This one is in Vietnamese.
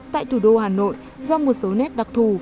tại thủ đô hà nội do một số nét đặc thù